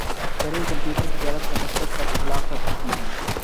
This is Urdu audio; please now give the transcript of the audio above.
کَرئے کمپیوٹر تجارت کا نسدق پر اطلاق کر چکی ہے